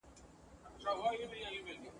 خو یو عیب چي یې درلود ډېره غپا وه !.